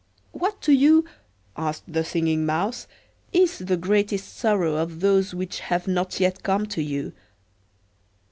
What to you," asked the Singing Mouse, "is the greatest sorrow of those which have not yet come to you?"